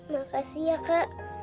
makasih ya kak